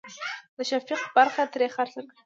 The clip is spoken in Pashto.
د شفيق برخه ترې خرڅه کړه.